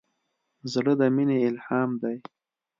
زړه د مینې الهام دی.